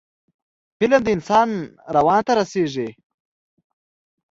فلم د انسان روان ته رسیږي